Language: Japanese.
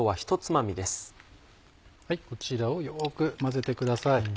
こちらをよく混ぜてください。